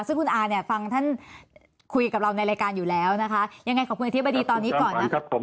ซึ่งคุณอาเนี่ยฟังท่านคุยกับเราในรายการอยู่แล้วนะคะยังไงขอบคุณอธิบดีตอนนี้ก่อนนะครับผม